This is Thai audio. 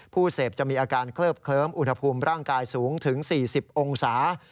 ผู้เสพจะมีอาการเคลิบเคลิ้มอุณหภูมิร่างกายสูงถึง๔๐องศา